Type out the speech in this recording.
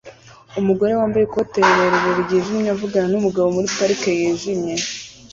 Umugore wambaye ikote rirerire ryijimye avugana numugabo muri parike yijimye